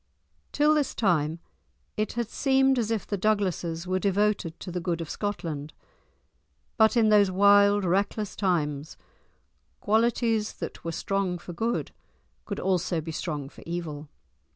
Till this time it had seemed as if the Douglases were devoted to the good of Scotland. But in those wild, reckless times qualities that were strong for good could also be strong for evil.